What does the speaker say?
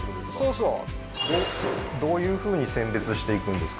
そうそうどういうふうに選別していくんですか？